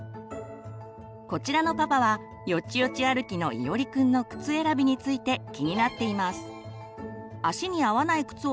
こちらのパパはよちよち歩きのいおりくんの靴選びについて気になっています。